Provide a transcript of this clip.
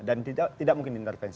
dan tidak mungkin intervensi